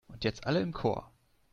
Und jetzt alle im Chor!